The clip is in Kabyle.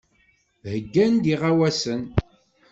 Heyyan-d iɣawasen.